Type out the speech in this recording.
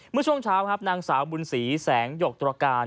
เมื่อช่วงเช้าครับนางสาวบุญศรีแสงหยกตรการ